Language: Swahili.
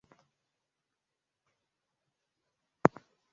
wa Ghana mwaka elfu moja Mia Tisa na hamsini na nane Ujumbe huu ulimjumuisha